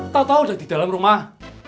tau tau udah di dalam rumah